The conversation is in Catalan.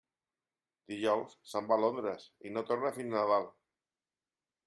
Dijous se'n va a Londres i no torna fins Nadal.